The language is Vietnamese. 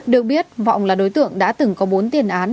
được biết vọng là đối tượng đã từng có bốn tiền án